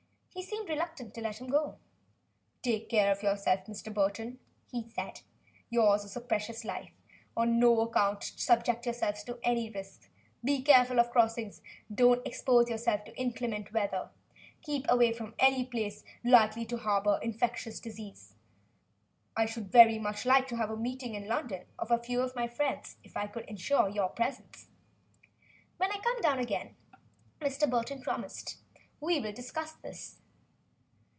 He seemed reluctant to let him go. "Take care of yourself, Mr. Burton," he enjoined. "Yours is a precious life. On no account subject yourself to any risks. Be careful of the crossings. Don't expose yourself to inclement weather. Keep away from any place likely to harbor infectious disease. I should very much like to have a meeting in London of a few of my friends, if I could ensure your presence." "When I come down again," Burton promised, "we will discuss it."